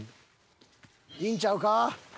いいんちゃうか。